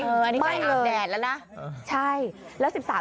อันนี้อันนี้อันอ่านแดดแล้วนะ